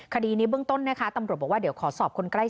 คดีนี้เบื้องต้นนะคะตำรวจบอกว่า